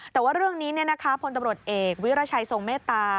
แต่ว่าเรื่องนี้พลตำรวจเอกวิรัชัยทรงเมตตา